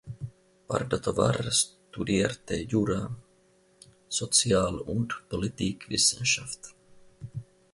Pardo Tovar studierte Jura, Sozial- und Politikwissenschaft.